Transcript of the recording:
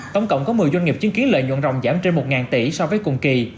tổng cộng có một mươi doanh nghiệp chứng kiến lợi nhuận rồng giảm trên một tỷ so với cùng kỳ